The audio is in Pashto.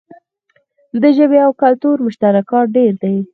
د ژبې او کلتور مشترکات ډیر دي.